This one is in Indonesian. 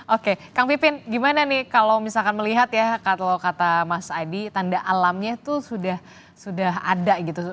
oke kang pipin gimana nih kalau misalkan melihat ya kalau kata mas adi tanda alamnya itu sudah ada gitu